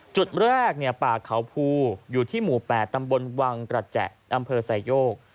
จุดแรกป่าเขาภูอยู่ที่หมู่๘ตำบลวังกระแจอำเภอไซโยก